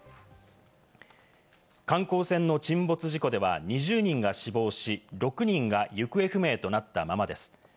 観光船の沈没事故では２０人が死亡し、６人が行方不明となったままです。